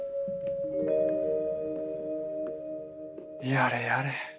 やれやれ。